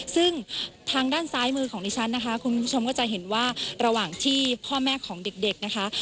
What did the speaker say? ซึ่งทางด้านซ้ายมือของดิฉันนะคะคุณผู้ชมก็จะเห็นว่าระหว่างที่พ่อแม่ของเด็กนะคะ